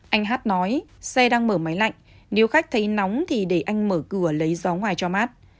anh hát nói xe đang mở máy lạnh nếu khách thấy nóng thì để anh mở cửa lấy gió ngoài cho mát